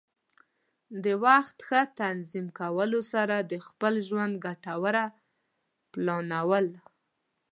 د وخت ښه تنظیم کولو سره د خپل ژوند ګټوره پلانول.